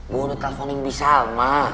gue udah telfonin bisalma